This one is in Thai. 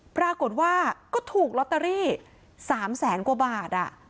ปรากฏว่าก็ถูกลอตเตอรี่๓แสนกว่าบาท